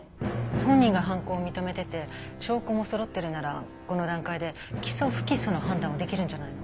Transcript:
本人が犯行を認めてて証拠もそろってるならこの段階で起訴不起訴の判断はできるんじゃないの？